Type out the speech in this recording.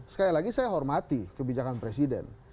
sekali lagi saya hormati kebijakan presiden